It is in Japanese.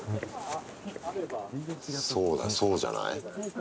そうだ、そうじゃない？